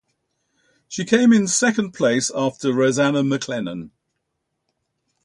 She came in second place after Rosannagh MacLennan.